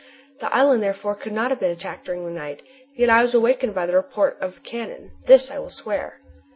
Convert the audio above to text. The island therefore could not have been attacked during the night. Yet I was awakened by the report of cannon, this I will swear.